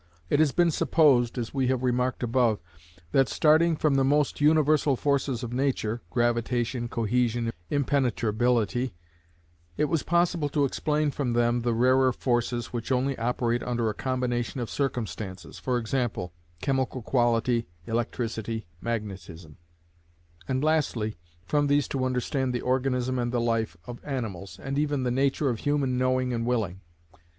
It has been supposed, as we have remarked above, that, starting from the most universal forces of nature (gravitation, cohesion, impenetrability), it was possible to explain from them the rarer forces, which only operate under a combination of circumstances (for example, chemical quality, electricity, magnetism), and, lastly, from these to understand the organism and the life of animals, and even the nature of human knowing and willing.